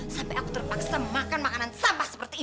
sampai aku terpaksa makan makanan sampah seperti ini